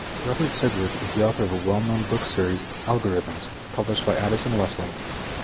Robert Sedgewick is the author of a well-known book series "Algorithms", published by Addison-Wesley.